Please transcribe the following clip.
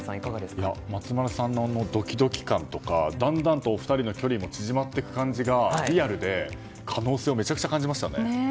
松丸さんのドキドキ感とかだんだんとお二人の距離も縮まっていく感じがリアルで、可能性をめちゃくちゃ感じましたね。